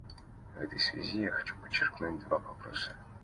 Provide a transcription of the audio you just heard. В этой связи я хочу подчеркнуть два вопроса.